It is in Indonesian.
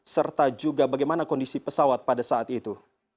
serta juga bagaimana kondisi pesawat pada saat itu